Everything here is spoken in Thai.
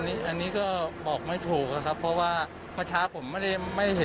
แล้วก็มีคนอื่นที่ว่าไปคุยก่อนข้างหลังก็ไม่เจอ